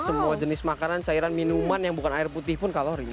semua jenis makanan cairan minuman yang bukan air putih pun kalori